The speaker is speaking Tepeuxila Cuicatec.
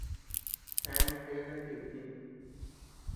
Eanu jeʼe lantikuu itintu.